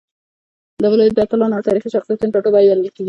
دا ولايت د اتلانو او تاريخي شخصيتونو ټاټوبی بلل کېږي.